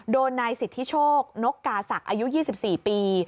นายสิทธิโชคนกกาศักดิ์อายุ๒๔ปี